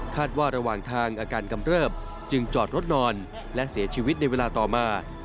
ว่าระหว่างทางอาการกำเริบจึงจอดรถนอนและเสียชีวิตในเวลาต่อมา